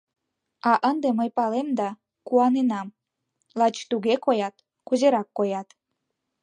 — А ынде мый палем да куаненам — лач туге коят, кузерак коят.